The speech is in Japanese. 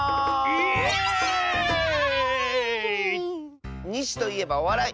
イエーイ！にしといえばおわらい！